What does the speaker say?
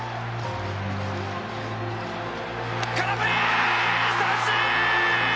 空振り三振！